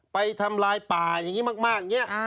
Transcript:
ทำลายป่าอย่างนี้มากอย่างนี้